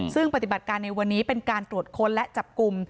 ซึ่งปฏิบัติการในวันนี้เป็นการตรวจค้นและจับกลุ่ม